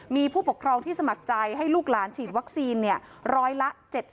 มีผู้ปกครองที่สมัครใจให้ลูกหลานฉีดวัคซีนร้อยละ๗๐